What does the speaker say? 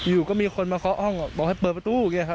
อยู่ก็มีคนมาเคาะห้องบอกให้เปิดประตู